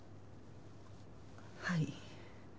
はい。